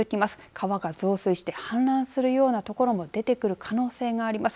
川が増水して氾濫するようなところも出てくる可能性があります。